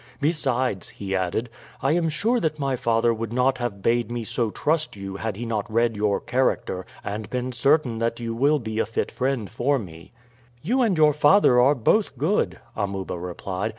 Besides," he added, "I am sure that my father would not have bade me so trust you had he not read your character and been certain that you will be a fit friend for me." "You and your father are both good," Amuba replied.